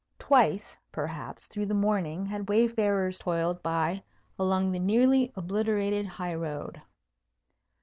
Twice, perhaps, through the morning had wayfarers toiled by along the nearly obliterated high road.